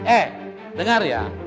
eh dengar ya